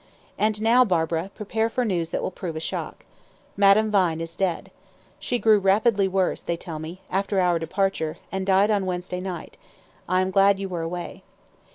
"And now, Barbara, prepare for news that will prove a shock. Madame Vine is dead. She grew rapidly worse, they tell me, after our departure, and died on Wednesday night. I am glad you were away.